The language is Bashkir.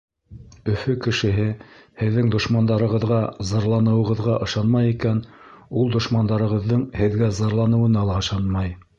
Өфө кешеһе һеҙҙең дошмандарығыҙға зарланыуығыҙға ышанмай икән, ул дошмандарығыҙҙың һеҙгә зарланыуына ла ышанмай.